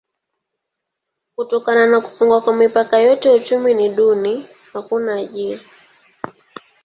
Kutokana na kufungwa kwa mipaka yote uchumi ni duni: hakuna ajira.